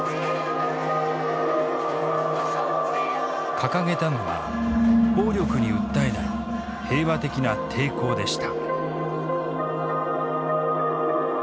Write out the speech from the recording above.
掲げたのは暴力に訴えない平和的な抵抗でした。